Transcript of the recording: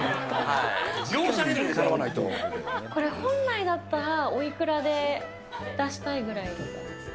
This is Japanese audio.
これ、本来だったらおいくらで出したいぐらいなんですか。